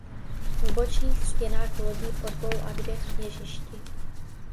V bočních stěnách lodí po dvou a dvě v kněžišti.